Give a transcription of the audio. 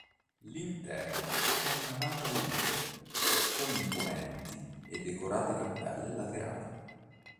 L'interno è a navata unica, con imponenti e decorate cappelle laterali.